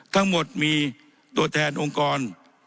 ทั้งหมดมีตัวแทนองค์กร